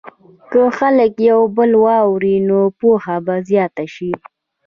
که خلک یو بل واوري، نو پوهه به زیاته شي.